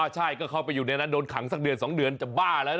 ใช่ก็เข้าไปอยู่ในนั้นโดนขังสักเดือน๒เดือนจะบ้าแล้ว